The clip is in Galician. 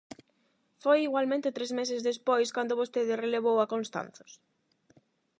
Foi igualmente tres meses despois cando vostede relevou a Constanzos?